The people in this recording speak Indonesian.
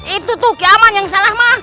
itu tuh keaman yang salah mah